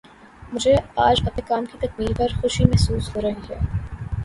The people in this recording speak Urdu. مجھے آج اپنے کام کی تکمیل پر خوشی محسوس ہو رہی ہے